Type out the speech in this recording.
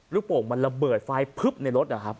ลูกโปรงมันระเบิดไฟพึบในรถ